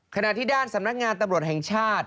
ขณะที่ด้านสำนักงานตำรวจแห่งชาติ